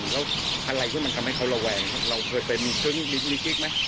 แล้วอะไรที่มันทำให้เขาระแวงเราเคยไปมีเครื่องไหม